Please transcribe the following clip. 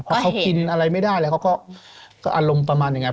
พอเขากินอะไรไม่ได้แล้วเขาก็อารมณ์ประมาณอย่างนั้น